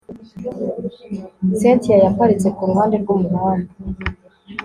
cyntia yaparitse kuruhande rwumuhanda